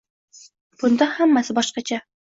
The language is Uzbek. Bunda hammasi boshqacha!